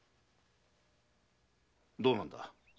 どうなんだ